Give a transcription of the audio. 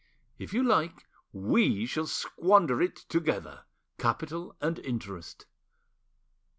If you like, we shall squander it together, capital and interest.